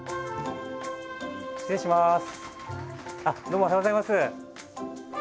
どうもおはようございます。